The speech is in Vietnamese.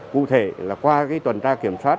cụ thể là qua tuần tra kiểm soát